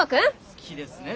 好きですね